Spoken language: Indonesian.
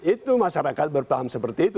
itu masyarakat berpaham seperti itu